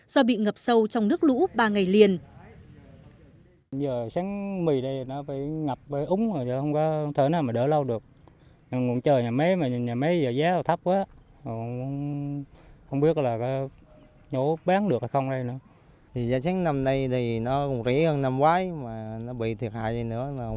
do bị ngập sâu trong nước lũ ba ngày liền